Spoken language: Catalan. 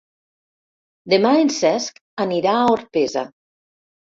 Demà en Cesc anirà a Orpesa.